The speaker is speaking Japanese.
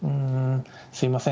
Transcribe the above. すみません。